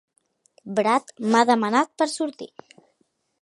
Brad m'ha demanat per sortir.